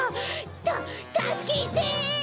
たたすけて！